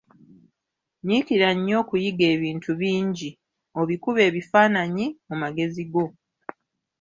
Nyiikira nnyo okuyiga ebintu bingi, obikube ebifaananyi mu magezi go.